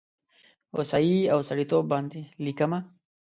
هوسايي او سړیتوب باندې لیکمه